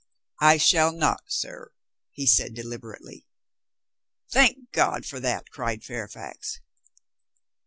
"I shall not, sir," he said deliberately. "I thank God for it," cried Fairfax.